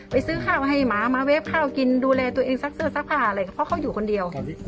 ซื้อข้าวให้หมามาเฟฟข้าวกินดูแลตัวเองซักเสื้อซักผ้าอะไรเพราะเขาอยู่คนเดียว